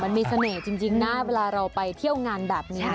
มันมีเสน่ห์จริงนะเวลาเราไปเที่ยวงานแบบนี้